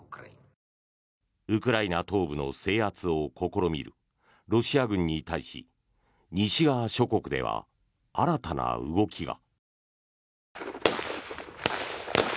ウクライナ東部の制圧を試みるロシア軍に対し西側諸国では新たな動きが。